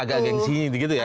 agak gengsi gitu ya